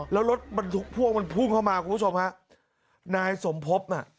แล้วรถบรรทุกพ่วงมันพุ่งเข้ามาคุณผู้ชมฮะนายสมพบน่ะ